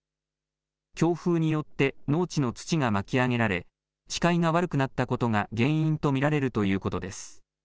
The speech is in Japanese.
強風によって農地の土が巻き上げられ視界が悪くなったことが原因と見られるということです。